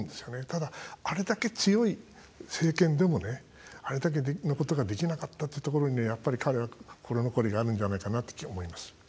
ただ、あれだけ強い政権でもあれだけのことができなかったというところにやっぱり、彼は心残りがあるんじゃないかなと思います。